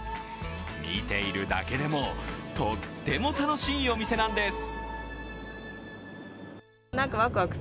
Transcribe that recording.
見ているだけでも、とっても楽しいお店なんです。